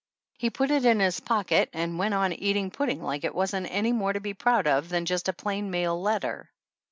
He put it in his pocket and went on eating pudding like it wasn't any more to be proud of than just a plain mail letter.